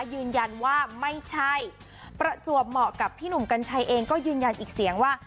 ยืนยันว่าไม่ใช่ประจวบเหมาะกับพี่หนุ่มกัญชัยเองก็ยืนยันอีกเสียงว่า